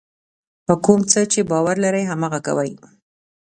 په کوم څه چې باور لرئ هماغه کوئ.